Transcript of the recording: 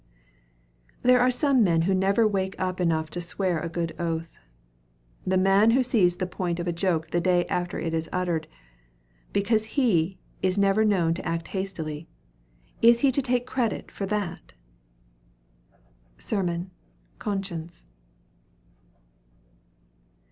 There are some men who never wake up enough to swear a good oath. The man who sees the point of a joke the day after it is uttered, because he never is known to act hastily, is he to take credit for that? SERMON: 'Conscience.'